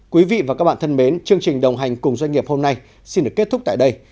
quý vị và các bạn thân mến chương trình đồng hành cùng doanh nghiệp hôm nay xin được kết thúc tại đây